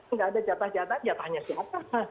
nggak ada jatah jatah jatahnya siapa